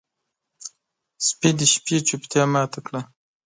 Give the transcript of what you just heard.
سپي د شپې چوپتیا ماته کړه.